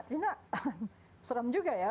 china serem juga ya